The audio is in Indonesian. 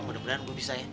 bener bener gue bisa ya